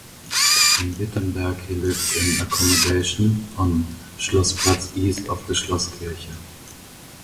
In Wittenberg he lived in accommodation on Schlossplatz east of the Schlosskirche.